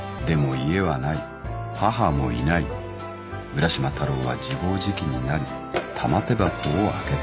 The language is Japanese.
浦島太郎は自暴自棄になり玉手箱を開けた。